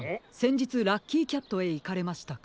じつラッキーキャットへいかれましたか？